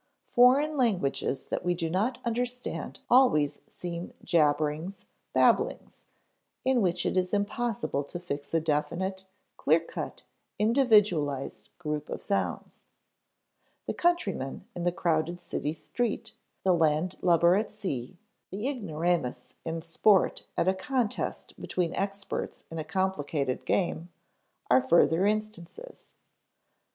Foreign languages that we do not understand always seem jabberings, babblings, in which it is impossible to fix a definite, clear cut, individualized group of sounds. The countryman in the crowded city street, the landlubber at sea, the ignoramus in sport at a contest between experts in a complicated game, are further instances.